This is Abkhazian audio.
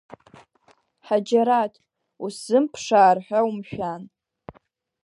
Ҳаџьараҭ, усзымԥшаар ҳәа умшәан!